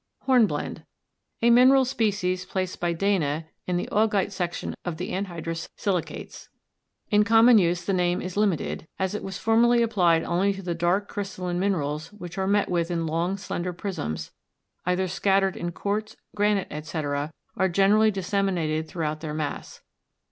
HORNBLENDE. A mineral species, placed by Dana in the augite section of the anhydrous silicates. In common use the name is limited, as it was formerly applied only to the dark crystalline minerals which are met with in long, slender prisms, either scattered in quartz, granite, etc., or generally disseminated throughout their mass.